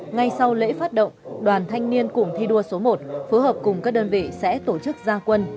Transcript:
ngay sau lễ phát động đoàn thanh niên cùng thi đua số một phối hợp cùng các đơn vị sẽ tổ chức gia quân